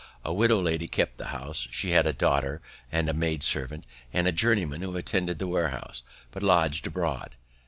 A widow lady kept the house; she had a daughter, and a maid servant, and a journeyman who attended the warehouse, but lodg'd abroad.